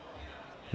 data dari akhirnya